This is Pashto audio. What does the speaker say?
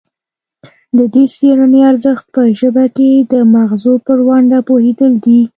د دې څیړنې ارزښت په ژبه کې د مغزو پر ونډه پوهیدل دي